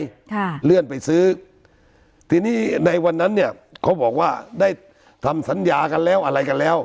ค่ะเลื่อนไปซื้อทีนี้ในวันนั้นเนี่ยเขาบอกว่าได้ทำสัญญากันแล้วอะไรกันแล้ว